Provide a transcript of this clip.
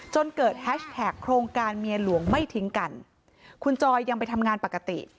จนเกิดแฮชแท็กโครงการเมียหลวงไม่ทิ้งกันคุณจอยยังไปทำงานปกติ